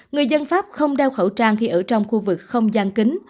người dân pháp không đeo khẩu trang khi ở trong khu vực không gian kính